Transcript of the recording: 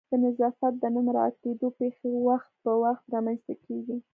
د نظافت د نه مراعت کېدو پیښې وخت په وخت رامنځته کیږي